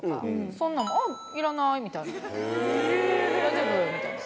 そんなんも「あっいらない」みたいな「大丈夫」みたいな。